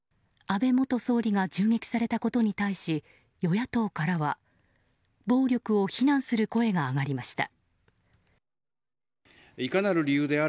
安倍元総理が銃撃されたことに対し与野党からは暴力を非難する声が上がりました。